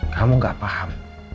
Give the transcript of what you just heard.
kamu gak paham